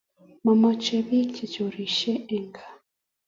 Mamache pik che chorese en gaa